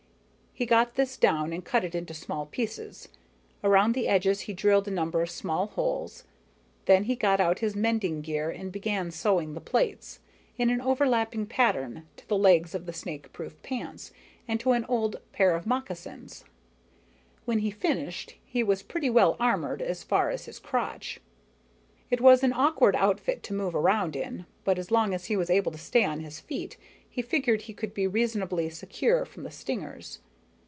He got this down and cut it into small pieces. Around the edges he drilled a number of small holes. Then he got out his mending gear and began sewing the plates, in an overlapping pattern, to the legs of the snakeproof pants and to an old pair of moccasins. When he finished, he was pretty well armored as far as his crotch. It was an awkward outfit to move around in, but as long as he was able to stay on his feet, he figured he would be reasonably secure from the stingers.